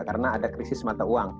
karena ada krisis mata uang